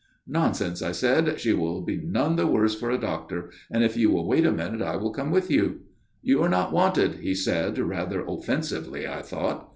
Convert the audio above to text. "' Nonsense !' I said. ' She will be none the worse for a doctor ; and if you will wait a minute I will come with you/ "' You are not wanted/ he said rather offensively, I thought.